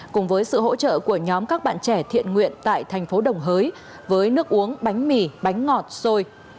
cùng với sự hỗ trợ của nhóm các bạn trẻ thiện nguyện tại thành phố đồng hới với nước uống bánh mì bánh ngọt xôi